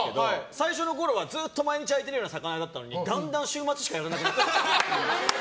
最初のころはずっと毎日開いてるような魚屋だったのにだんだん週末しかやらなくなって。